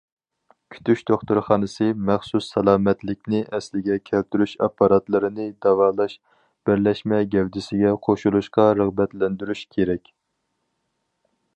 كۈتۈش دوختۇرخانىسى، مەخسۇس سالامەتلىكنى ئەسلىگە كەلتۈرۈش ئاپپاراتلىرىنى داۋالاش بىرلەشمە گەۋدىسىگە قوشۇلۇشقا رىغبەتلەندۈرۈش كېرەك.